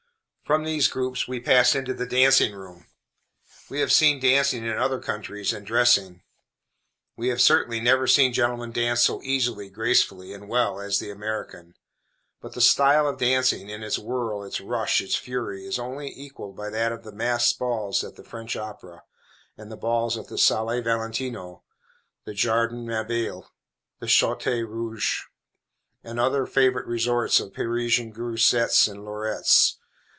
From these groups we passed into the dancing room. We have seen dancing in other countries, and dressing. We have certainly never seen gentlemen dance so easily, gracefully, and well, as the American. But the style of dancing, in its whirl, its rush, its fury, is only equaled by that of the masked balls at the French opera, and the balls at the Salle Valentino, the Jardin Mabille, the Château Rôuge, and other favorite resorts of Parisian grisettes and lorettes.